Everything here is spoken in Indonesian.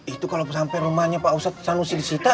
itu kalo sampe rumahnya pak ustadz sanusi disita